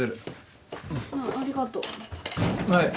ありがとう。